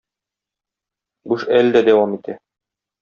Бу эш әле дә дәвам итә.